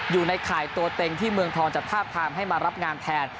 อยู่ในข่ายตัวเต็งที่เมืองทองจัดทาบทามให้มารับงานแทน